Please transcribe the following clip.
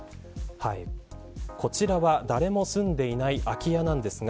こちらは誰も住んでいない空き家です。